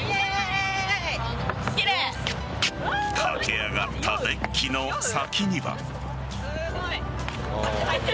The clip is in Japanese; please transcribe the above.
駆け上がったデッキの先には。